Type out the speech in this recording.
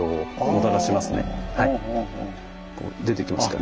こう出てきますから。